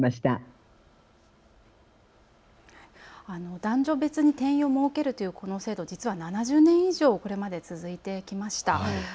男女別に定員を設けるというこの制度、実は、７０年以上、これまで続いてきました。